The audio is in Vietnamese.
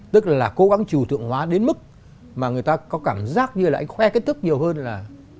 tức là cố gắng trù thượng hóa đến mức mà người ta có cảm giác như là anh khoe kết thúc nhiều hơn là